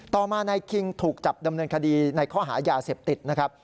ต่อมานายคิงถูกจับดำเนินคดีในข้อหายาเสพติดนะครับ